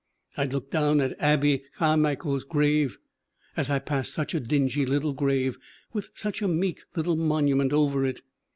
"I'd look down at Abbie Cai michael's grave as I passed such a dingy little grave, with such a meek little monument over it.